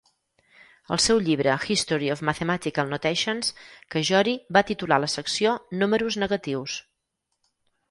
Al seu llibre "History of Mathematical Notations", Cajori va titular la secció "Números negatius".